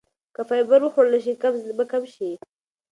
که فایبر وخوړل شي قبض به کمه شي.